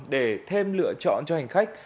để thêm lựa chọn cho hành khách